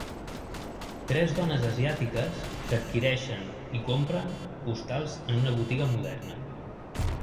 Tres dones asiàtiques que adquireixen i compren postals en una botiga moderna.